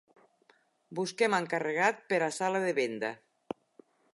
Busquem encarregat per a sala de venda.